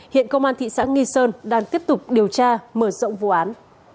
hiện công an thị xã nghi sơn đang tiếp tục điều tra mở rộng vụ án